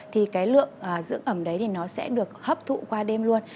thì cái lượng dưỡng ẩm đấy thì nó sẽ được hấp thụ qua đêm luôn